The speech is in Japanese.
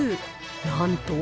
なんと。